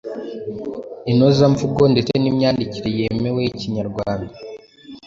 inozamvugo ndetse n’imyandikire yemewe y’Ikinyarwanda.